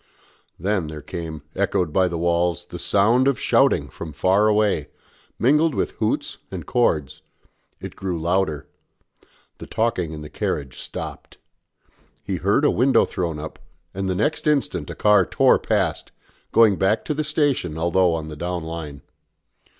Then there came, echoed by the walls, the sound of shouting from far away, mingled with hoots and chords; it grew louder. The talking in the carriage stopped. He heard a window thrown up, and the next instant a car tore past, going back to the station although on the down line.